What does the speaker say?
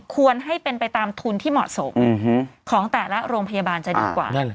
ควรให้เป็นไปตามทุนที่เหมาะสมของแต่ละโรงพยาบาลจะดีกว่า